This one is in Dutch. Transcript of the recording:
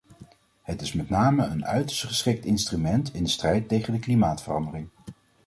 Het is met name een uiterst geschikt instrument in de strijd tegen de klimaatverandering.